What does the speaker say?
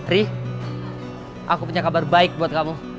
rih aku punya kabar baik buat kamu